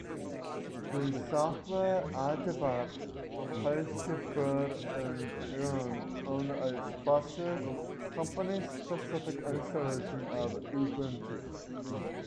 The software I develop has to build and run on a special company-specific installation of Ubuntu.